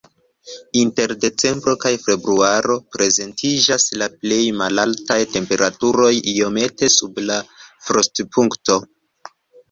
Inter decembro kaj februaro prezentiĝas la plej malaltaj temperaturoj, iomete sub la frostopunkto.